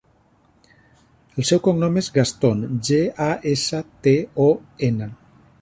El seu cognom és Gaston: ge, a, essa, te, o, ena.